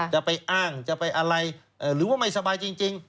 จะไปอ้างจะไปอะไรหรือว่าไม่สบายจริง